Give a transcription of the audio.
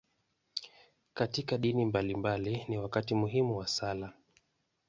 Katika dini mbalimbali, ni wakati muhimu wa sala.